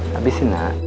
makasih ya pak fero